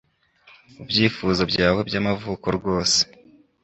mubyifuzo byawe byamavuko rwose